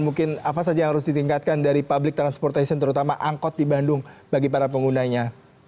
mungkin apa saja yang harus ditingkatkan dari public transportation terutama angkot di bandung bagi para penggunanya